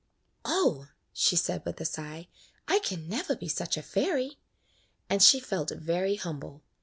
"Oh!" she said, with a sigh, "I can never be such a fairy;" and she felt very humble.